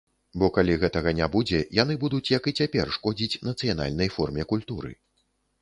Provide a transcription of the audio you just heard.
Бо калі гэтага не будзе, яны будуць, як і цяпер, шкодзіць нацыянальнай форме культуры.